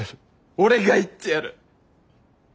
俺が言ってやる。